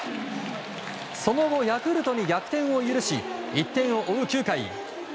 その後、ヤクルトに逆転を許し１点を追う９回。